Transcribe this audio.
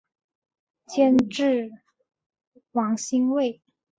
监制王心慰。